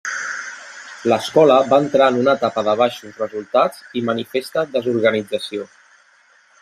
L'Escola va entrar en una etapa de baixos resultats i manifesta desorganització.